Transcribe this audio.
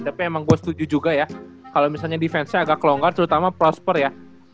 tapi emang gue setuju juga ya kalau misalnya defense nya agak longgar terutama prosper ya